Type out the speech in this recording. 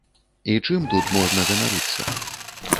І чым тут можна ганарыцца?